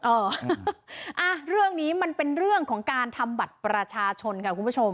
เอออ่ะเรื่องนี้มันเป็นเรื่องของการทำบัตรประชาชนค่ะคุณผู้ชม